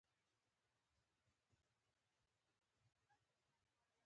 ګواکې خپلې مور او خپلې خور نه دوی نفرت کوي